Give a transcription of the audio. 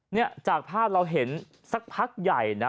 เนี่ยจากภาพเราเห็นสักพักใหญ่นะ